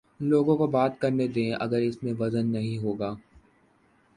لوگوں کو بات کر نے دیں اگر اس میں وزن نہیں ہو گا۔